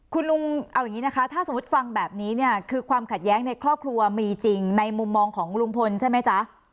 คุณลุงเอาอย่างนี้นะคะถ้าสมมุติฟังแบบนี้เนี่ยคือความขัดแย้งในครอบครัวมีจริงในมุมมองของลุงพลใช่ไหมจ๊ะ